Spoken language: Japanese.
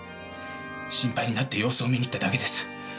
心配になって様子を見に行っただけです。